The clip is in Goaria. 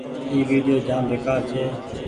اي ويڊيو جآم بيڪآر ڇي۔